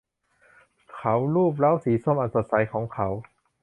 เขาลูบเคราสีส้มอันสดใสของเขา